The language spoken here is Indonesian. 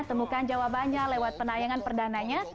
temukan jawabannya lewat penayangan perdananya